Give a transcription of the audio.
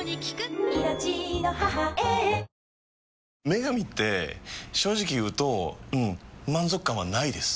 「麺神」って正直言うとうん満足感はないです。